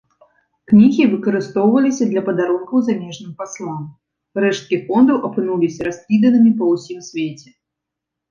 Кнігі выкарыстоўваліся для падарункаў замежным паслам, рэшткі фондаў апынуліся раскіданымі па ўсім свеце.